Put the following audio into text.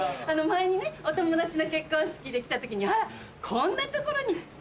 前にねお友達の結婚式で来た時に「あら！こんな所に」。